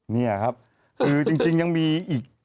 นี่นี้ครับจริงยังมีอีก